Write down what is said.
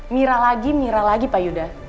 mira lagi mira lagi pak yuda